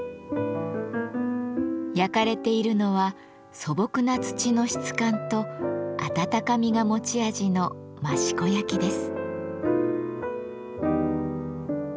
焼かれているのは素朴な土の質感と温かみが持ち味の益子焼です。